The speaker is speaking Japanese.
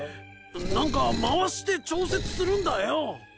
何か回して調節するんだよ。